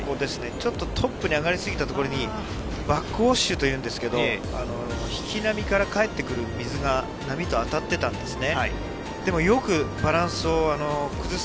ちょっとトップに上がり過ぎたところにバックウォッシュというんですけど沖波から帰ってくる水が波と当たっていたんですね。